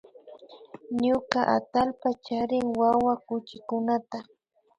Ñuka atallpa charin wawa chuchikunata